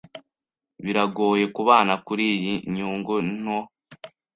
Biragoye kubana kuriyi nyungu nto.